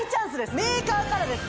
メーカーからですね